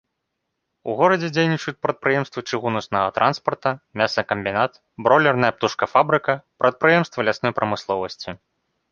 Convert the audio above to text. У горадзе дзейнічаюць прадпрыемствы чыгуначнага транспарта, мясакамбінат, бройлерная птушкафабрыка, прадпрыемствы лясной прамысловасці.